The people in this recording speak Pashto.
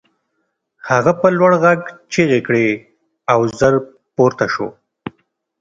هغه په لوړ غږ چیغې کړې او ژر پورته شو